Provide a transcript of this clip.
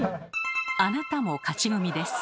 あなたも勝ち組です。